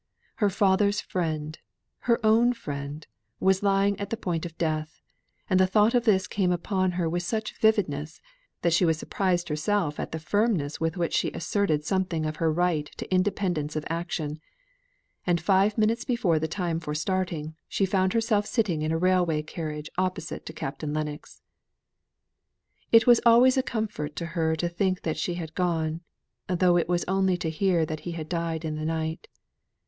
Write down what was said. Her father's friend, her own friend, was lying at the point of death; and the thought of this came upon her with such vividness, that she was surprised herself at the firmness with which she asserted something of her right to independence of action; and five minutes before the time of starting, she found herself sitting in a railway carriage opposite to Captain Lennox. It was always a comfort to her to think that she had gone, though it was only to hear that he had died in the night.